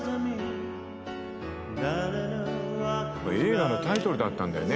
これ映画のタイトルだったんだよね。